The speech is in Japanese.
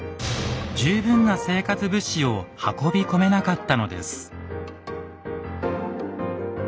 十分な生活物資を運び込めなかったのです。